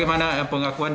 di kukul kakak